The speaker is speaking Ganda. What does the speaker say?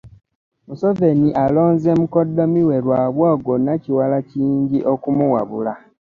Museveni alonze mukoddomi we Rwabwogo Nakiwala Kiyingi okumuwabula.